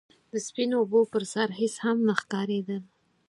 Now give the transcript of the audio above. د سپينو اوبو پر سر هيڅ هم نه ښکارېدل.